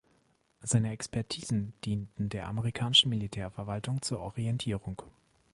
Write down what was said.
Seine Expertisen dienten der amerikanischen Militärverwaltung zur Orientierung.